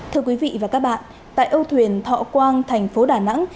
thưa quý vị và các bạn tại âu thuyền thọ quang thành phố đà nẵng